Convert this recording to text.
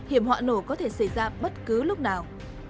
hiểm họa nổ có thể xảy ra bất cứ lúc nào